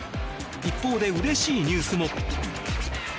一方で、うれしいニュースも。